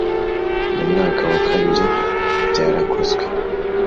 Mu mwaka wa kabiri byarakozwe